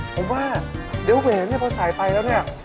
เพราะว่าเดี๋ยวเวนเนี่ยพอสายไปแล้วเนี่ย